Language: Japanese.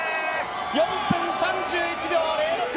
４分３１秒０６！